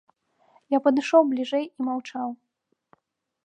Я падышоў бліжэй і маўчаў.